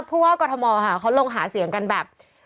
ภูอากอธมวาค่ะเค้าลงหาเสียงกันแบบ